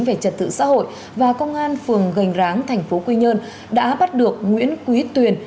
về trật tự xã hội và công an phường gành ráng tp quy nhơn đã bắt được nguyễn quý tuyền